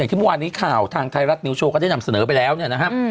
ที่เมื่อวานนี้ข่าวทางไทยรัฐนิวโชว์ก็ได้นำเสนอไปแล้วเนี่ยนะครับ